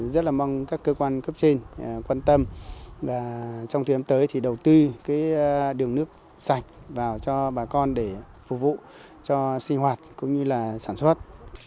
rất là mong các cơ quan cấp trên quan tâm và trong thời gian tới thì đầu tư đường nước sạch vào cho bà con để phục vụ cho sinh hoạt cũng như là sản xuất